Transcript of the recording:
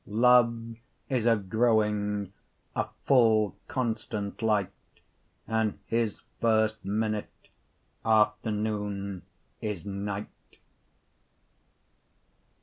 Love is a growing, or full constant light; 25 And his first minute, after noone, is night.